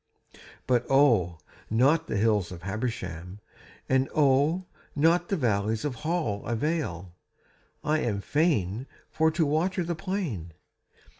But oh, not the hills of Habersham, And oh, not the valleys of Hall Avail: I am fain for to water the plain.